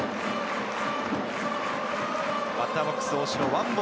バッターボックス、大城。